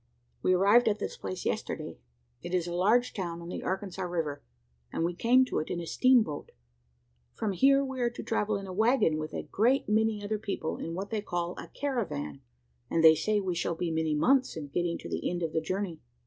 "We arrived at this place yesterday. It is a large town on the Arkansas river: and we came to it in a steam boat. From here we are to travel in a waggon with a great many other people in what they call a `caravan,' and they say we shall be many months in getting to the end of the journey.